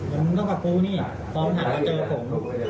มันต้องกับครูนี่พร้อมถัดมาเจอผม